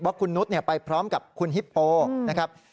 คุณนุษย์ไปพร้อมกับคุณฮิปโปนะครับ